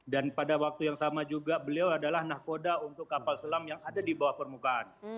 dan pada waktu yang sama juga beliau adalah nahkoda untuk kapal selam yang ada di bawah permukaan